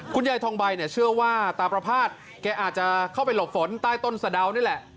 คุณยายทองใบเนี่ยเชื่อว่าตาประพาทแกอาจจะเข้าไปหลบฝนใต้ต้นสะดาวนี่แหละ